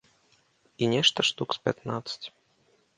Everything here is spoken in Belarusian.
І нешта штук з пятнаццаць.